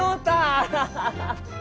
アハハハ！